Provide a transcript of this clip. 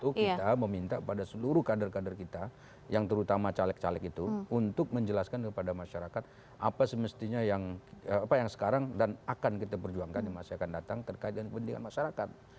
tentu kita meminta pada seluruh kader kader kita yang terutama caleg caleg itu untuk menjelaskan kepada masyarakat apa semestinya yang sekarang dan akan kita perjuangkan di masa yang akan datang terkait dengan kepentingan masyarakat